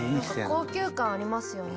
高級感ありますよね